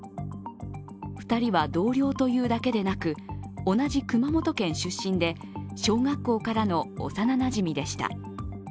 ２人は同僚というだけでなく同じ熊本県出身で小学校からの幼なじみでした。